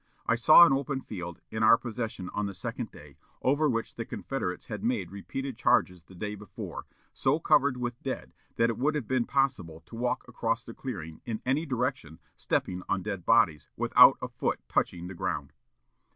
I saw an open field, in our possession on the second day, over which the Confederates had made repeated charges the day before, so covered with dead that it would have been possible to walk across the clearing, in any direction, stepping on dead bodies, without a foot touching the ground.